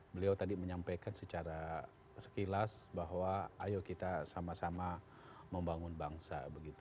beliau tadi menyampaikan secara sekilas bahwa ayo kita sama sama membangun bangsa